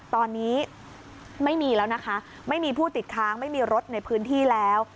ตอนนี้ไม่มีแล้วนะคะไม่มีผู้ติดค้างไม่มีรถในพื้นที่แล้ว